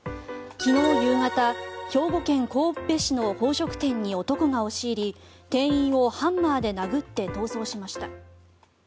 昨日夕方、兵庫県神戸市の宝飾店に男が押し入り店員をハンマーで殴って逃走しました。